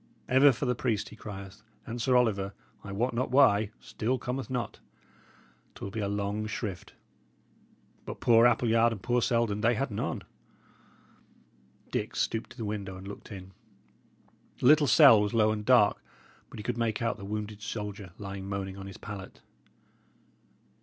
Ever for the priest he crieth, and Sir Oliver, I wot not why, still cometh not. 'Twill be a long shrift; but poor Appleyard and poor Selden, they had none." Dick stooped to the window and looked in. The little cell was low and dark, but he could make out the wounded soldier lying moaning on his pallet.